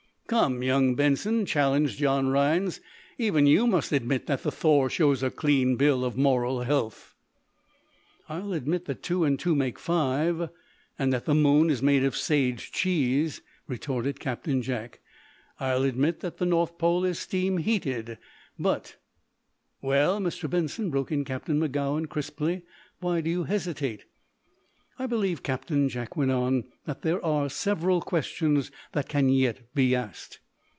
"Come, young Benson," challenged John Rhinds, "even you must admit that the 'Thor' shows a clean bill of moral health!" "I'll admit that two and two make five, and that the moon is made of sage cheese," retorted Captain Jack. "I'll admit that the north pole is steam heated. But " "Well, Mr. Benson," broke in Captain Magowan, crisply. "Why do you hesitate?" "I believe, Captain," Jack went on, "that there are several questions that can yet be asked."